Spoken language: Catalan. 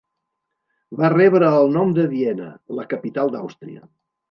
Va rebre el nom de Viena, la capital d'Àustria.